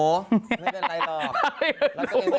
ไม่เป็นไรหรอก